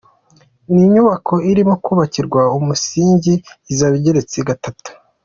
Iyi nyubako irimo kubakirwa umusingi izaba igeretse gatatu.